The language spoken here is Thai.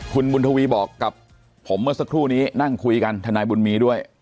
คุณบุญทวีบอกกับผมเมื่อสักครู่นี้นั่งคุยกันทนายบุญมีด้วย